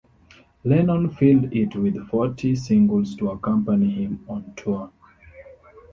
Lennon filled it with forty singles to accompany him on tour.